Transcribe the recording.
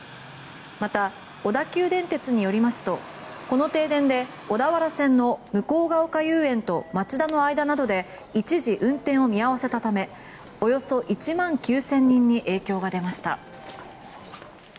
また、小田急電鉄によりますとこの停電で小田原線の向ヶ丘遊園と町田の間などで一時運転を見合わせたためおよそ１万９０００人に影響が出ました。